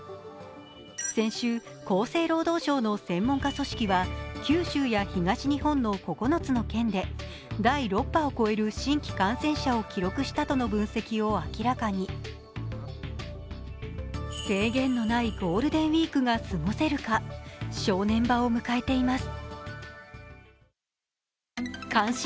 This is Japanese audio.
先週、厚生労働省の専門家組織は、九州や東日本の９つの県で第６波を超える新規感染者を記録したとの分析を明らかに。制限のないゴールデンウイークが過ごせるか、正念場を迎えています。